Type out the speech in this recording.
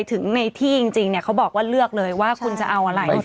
ถึงในที่จริงเนี่ยเขาบอกว่าเลือกเลยว่าคุณจะเอาอะไร